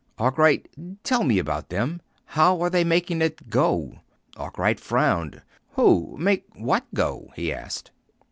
"Arkwright, tell me about them. How are they making it go?" Arkwright frowned. "Who? Make what go?" he asked.